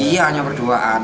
iya hanya berduaan